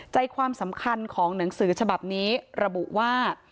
ใจความสำคัญของหนังสือฉบับนี้ระบุว่า